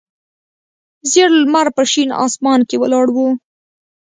زیړ لمر په شین اسمان کې ولاړ و.